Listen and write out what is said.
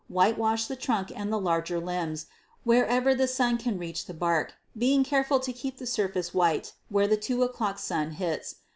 Whitewash the trunk and the larger limbs wherever the sun can reach the bark; being careful to keep the surface white where the 2 o'clock sun hits it.